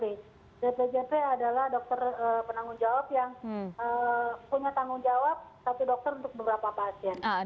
bpjp adalah dokter penanggung jawab yang punya tanggung jawab satu dokter untuk beberapa pasien